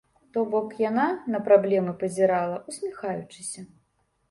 То бок, яна на праблемы пазірала, усміхаючыся.